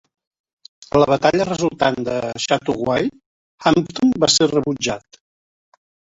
A la batalla resultant de Chateauguay, Hampton va ser rebutjat.